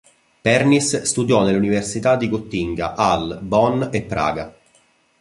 Pernice studiò nelle università di Gottinga, Halle, Bonn e Praga.